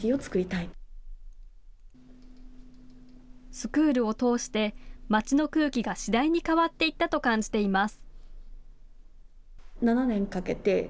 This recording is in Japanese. スクールを通して街の空気が次第に変わっていったと感じています。